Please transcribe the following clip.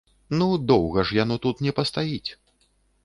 Ну, доўга ж яно тут не пастаіць.